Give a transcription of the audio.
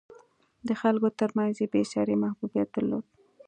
د خلکو ترمنځ یې بېساری محبوبیت درلود.